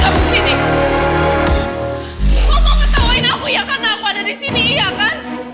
kamu mau ketawain aku ya karena aku ada disini ya kan